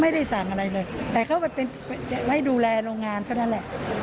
ไม่ได้สั่งอะไรเลยแต่เขาไม่ดูแลโรงงานเท่านั้นแหละ